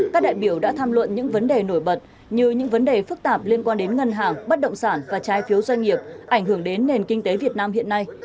các đại biểu đã tham luận những vấn đề nổi bật như những vấn đề phức tạp liên quan đến ngân hàng bất động sản và trái phiếu doanh nghiệp ảnh hưởng đến nền kinh tế việt nam hiện nay